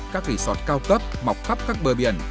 các kỷ soát cao cấp mọc khắp các bờ biển